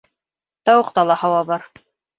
Тауыҡта ла һауа бар.